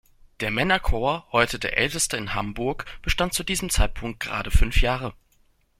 Der Männerchor, heute der älteste in Hamburg, bestand zu diesem Zeitpunkt gerade fünf Jahre.